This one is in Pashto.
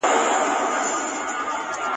لاس دي شل د محتسب وي شیخ مختوری پر بازار کې !.